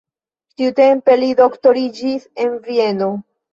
Tiutempe li doktoriĝis en Vieno.